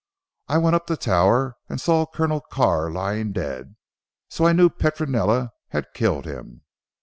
I went up the tower and saw Colonel Carr lying dead, so I knew Petronella had killed him.